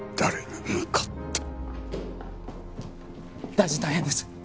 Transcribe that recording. ・大臣大変です